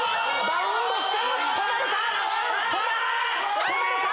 バウンドして止まるか！？